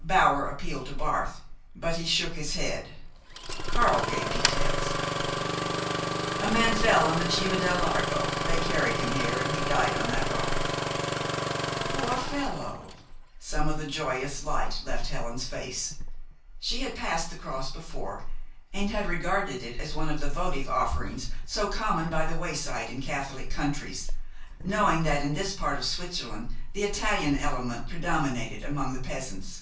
Bower appealed to Barth; but he shook his head. Karl gave details. "A man fell on the Cima del Largo. They carried him here, and he died on that rock." "Poor fellow!" Some of the joyous light left Helen's face. She had passed the cross before, and had regarded it as one of the votive offerings so common by the wayside in Catholic countries, knowing that in this part of Switzerland the Italian element predominated among the peasants.